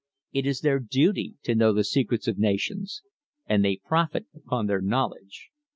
It is their duty to know the secrets of nations and they profit upon their knowledge.